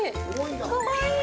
かわいい。